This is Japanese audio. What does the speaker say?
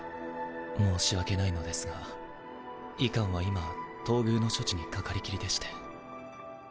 申し訳ないのですが医官は今東宮の処置にかかりきりでして。